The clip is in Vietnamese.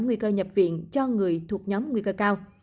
nguy cơ nhập viện cho người thuộc nhóm nguy cơ cao